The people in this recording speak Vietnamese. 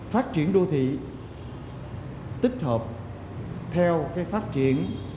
phát triển đô thị tích hợp theo cái phát triển